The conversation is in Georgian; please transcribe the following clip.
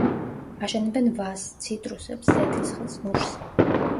აშენებენ ვაზს, ციტრუსებს, ზეთისხილს, ნუშს.